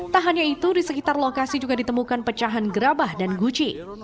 tak hanya itu di sekitar lokasi juga ditemukan pecahan gerabah dan guci